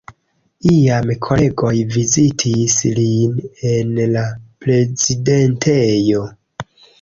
Iam kolegoj vizitis lin en la prezidentejo.